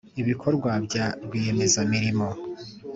ibikorwa bya rwiyemezamirimo